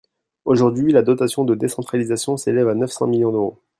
Aujourd’hui, la dotation de décentralisation s’élève à neuf cents millions d’euros.